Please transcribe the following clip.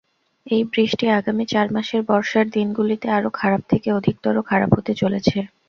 এই বৃষ্টি আগামী চার মাসের বর্ষার দিনগুলিতে আরও খারাপ থেকে অধিকতর খারাপ হতে চলেছে।